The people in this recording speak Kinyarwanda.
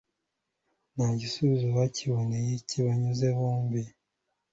nta gisubizo bakiboneye kibanyuze bombi,